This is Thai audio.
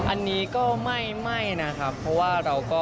อันนี้ก็ไม่นะครับเพราะว่าเราก็